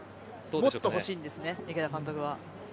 もっと欲しいんですね池田監督は。